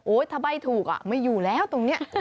โอ๊ยถ้าใบ่ถูกอ่ะไม่อยู่แล้วตรงเนี่ย